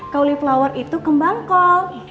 cauli flower itu kembang kok